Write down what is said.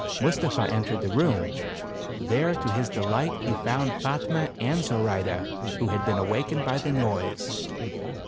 Mustapha entered the room. There, to his delight, he found Fatme and Zoraide, who had been awakened by the noise.